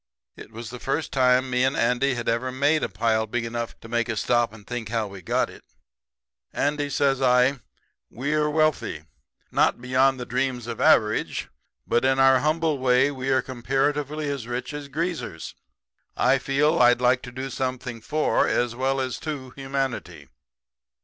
It was the first time me and Andy had ever made a pile big enough to make us stop and think how we got it. "'Andy,' says I, 'we're wealthy not beyond the dreams of average; but in our humble way we are comparatively as rich as Greasers. I feel as if I'd like to do something for as well as to humanity.'